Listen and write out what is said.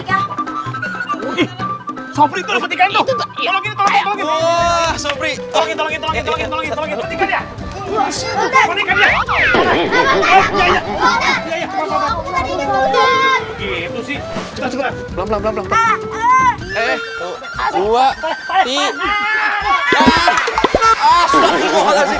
ya itu sih